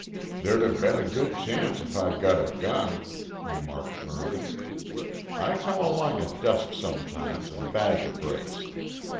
"There'd have been a good chance if I'd got a gun," remarked Mervyn. "I come along at dusk sometimes and bag a brace.